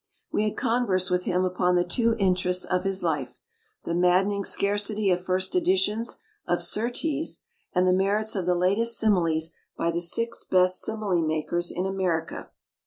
We had converse with him upon the two interests of his life : the madden ing scarcity of first editions of Surtees and the merits of the latest similes by the six best simile makers in America.